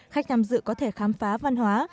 khách nằm dự có thể khám phá văn hóa